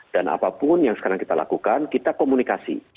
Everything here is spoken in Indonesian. dan apapun yang sekarang kita lakukan kita komunikasi